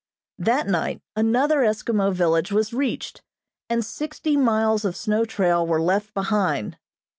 That night another Eskimo village was reached, and sixty miles of snow trail were left behind.